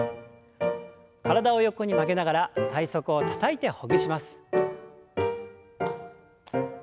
体を横に曲げながら体側をたたいてほぐします。